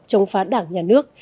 trong phá đảng nhà nước